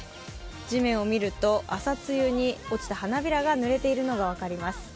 地面を見ると朝露に落ちた花びらがぬれているのが分かります。